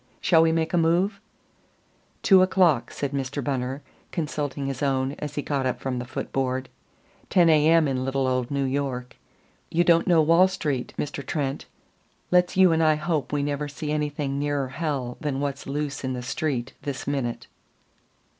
Shall we make a move?" "Two o'clock," said Mr. Bunner, consulting his own as he got up from the foot board. "Ten A. M. in little old New York. You don't know Wall Street, Mr. Trent. Let's you and I hope we never see anything nearer hell than what's loose in the Street this minute."